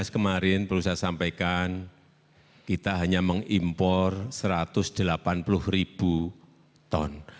dua ribu delapan belas kemarin perlu saya sampaikan kita hanya mengimpor satu ratus delapan puluh ribu ton